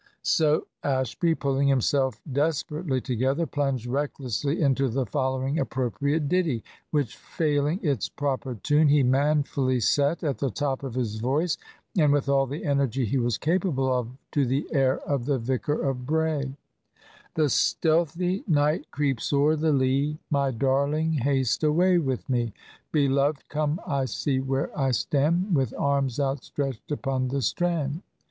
So Ashby, pulling himself desperately together, plunged recklessly into the following appropriate ditty; which, failing its proper tune, he manfully set at the top of his voice, and with all the energy he was capable of, to the air of the Vicar of Bray The stealthy night creeps o'er the lea, My darling, haste away with me. Beloved, come I see where I stand, With arms outstretched upon the strand.